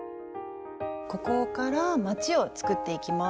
ここからまちを作っていきます。